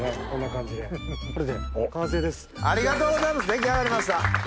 出来上がりました。